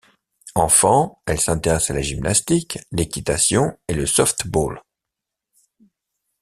Enfant, elle s'intéresse à la gymnastique, l'équitation et le softball.